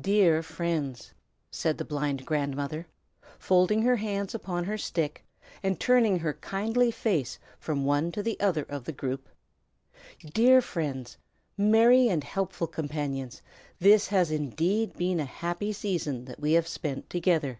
"Dear friends," said the blind grandmother, folding her hands upon her stick, and turning her kindly face from one to the other of the group, "dear friends, merry and helpful companions, this has indeed been a happy season that we have spent together.